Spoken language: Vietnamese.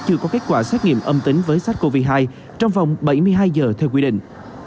chưa có kết quả xét nghiệm âm tính với sars cov hai trong vòng bảy mươi hai giờ theo quy định